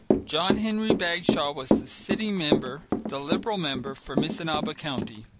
John Henry Bagshaw was the sitting member, the Liberal member, for Missinaba County.